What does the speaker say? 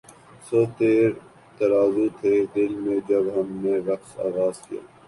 سو تیر ترازو تھے دل میں جب ہم نے رقص آغاز کیا